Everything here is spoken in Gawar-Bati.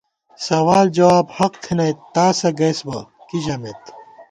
سوال جواب حق تھنَئیت تاسہ گَئیسبَہ کی ژَمېت